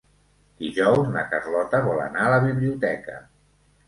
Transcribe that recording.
Dijous na Carlota vol anar a la biblioteca.